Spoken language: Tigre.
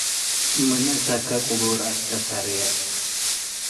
ምን እሰኬ ቅቡር አቴ ሰርዬ፣